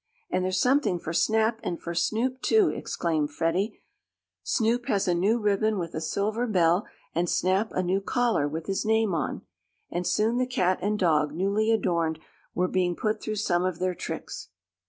"And there's something for Snap, and for Snoop, too!" exclaimed Freddie. "Snoop has a new ribbon with a silver bell, and Snap a new collar, with his name on," and soon the cat and dog, newly adorned, were being put through some of their tricks.